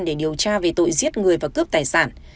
để điều tra về tội giết người và cướp tài sản